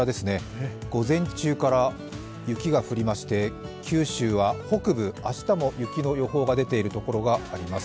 午前中から雪が降りまして九州は北部、明日も雪の予報が出ている所があります。